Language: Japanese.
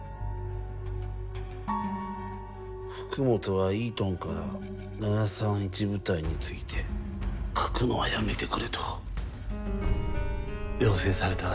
福本はイートンから７３１部隊について書くのはやめてくれと要請されたらしいですわ。